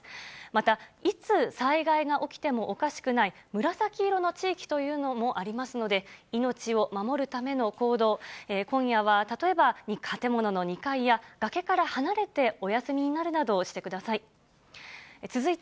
また、いつ災害が起きてもおかしくない、紫色の地域というのもありますので、命を守るための行動、今夜は例えば、建物の２階や、崖から離れてお休みになるなどしてください。